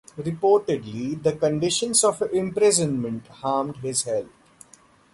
Reportedly, the conditions of imprisonment harmed his health.